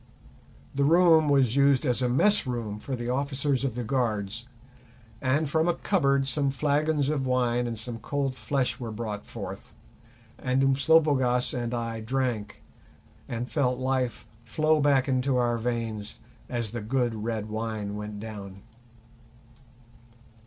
The room was used as a mess room for the officers of the guards, and from a cupboard some flagons of wine and some cold flesh were brought forth, and Umslopogaas and I drank, and felt life flow back into our veins as the good red wine went down.